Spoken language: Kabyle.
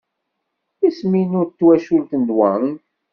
Isem-inu n twacult d Wang.